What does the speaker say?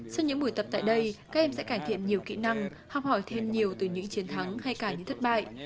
sau những buổi tập tại đây các em sẽ cải thiện nhiều kỹ năng học hỏi thêm nhiều từ những chiến thắng hay cả những thất bại